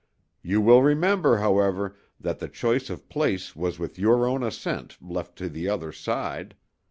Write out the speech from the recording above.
"You will remember, however, that the choice of place was with your own assent left to the other side.